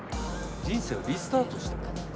人生をリスタートしてもらう。